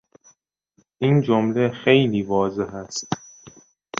این جمله خیلی واضح است.